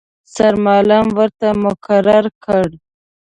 سرمعلم ورته مقرر کړ.